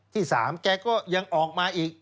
ที่๓แกก็ยังออกมาอีก